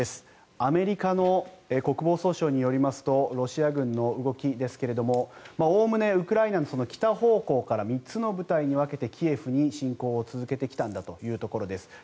アメリカの国防総省によりますとロシア軍の動きですがおおむねウクライナの北方向から３つの部隊に分けてキエフに侵攻を続けてきたんだということです。